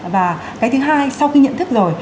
và cái thứ hai sau khi nhận thức rồi